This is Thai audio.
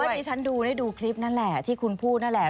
ที่ฉันดูได้ดูคลิปนั่นแหละที่คุณพูดนั่นแหละ